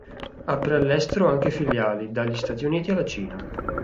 Apre all'estero anche filiali, dagli Stati Uniti alla Cina.